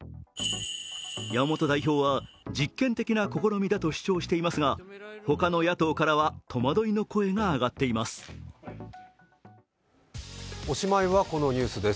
山本代表は実験的な試みだと主張していますが、他の野党からは戸惑いの声が上がっています。